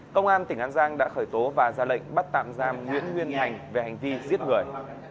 công an tỉnh an giang đã khởi tố và ra lệnh bắt tạm giam nguyễn nguyên thành về hành vi giết người